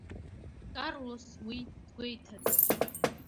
Карлос уи дгәеиҭаӡом.